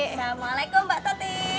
assalamualaikum mbak tati